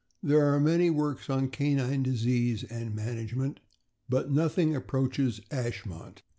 There are many works on canine disease and management, but nothing approaches uAshmont."